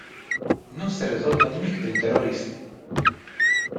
Nu se rezolvă nimic prin terorism.